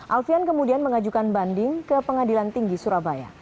alfian kemudian mengajukan banding ke pengadilan tinggi surabaya